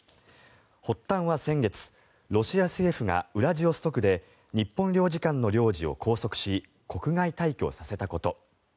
発端は先月ロシア政府がウラジオストクで日本領事館の領事を拘束し国外退去させたこと。